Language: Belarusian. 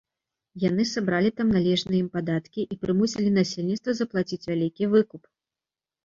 Яны сабралі там належныя ім падаткі і прымусілі насельніцтва заплаціць вялікі выкуп.